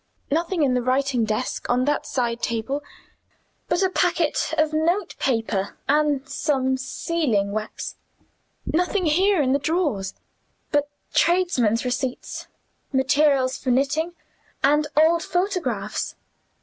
Nothing in the writing desk, on that side table, but a packet of note paper and some sealing wax. Nothing here, in the drawers, but tradesmen's receipts, materials for knitting, and old photographs.